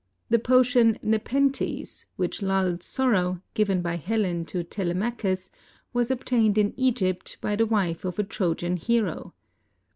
The potion Nepenthes, which lulled sorrow, given by Helen to Telemachus, was obtained in Egypt by the wife of a Trojan hero.